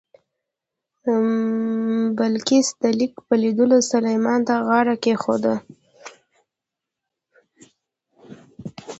بلقیس د لیک په لیدلو سلیمان ته غاړه کېښوده.